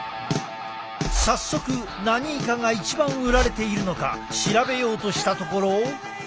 早速何イカが一番売られているのか調べようとしたところ。